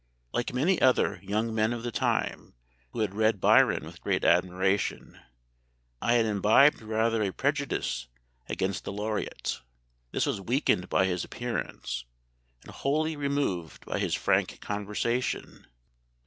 Like many other young men of the time who had read Byron with great admiration, I had imbibed rather a prejudice against the Laureate. This was weakened by his appearance, and wholly removed by his frank conversation.